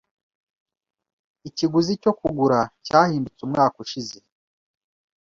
Ikiguzi cyo kugura cyahindutse umwaka ushize.